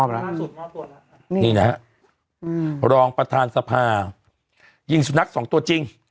มอบแล้วนี่นะฮะอืมรองประธานทรภาพยิงสุนัขสองตัวจริง